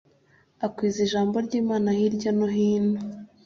Akwiza Ijambo ry Imana hirya no hino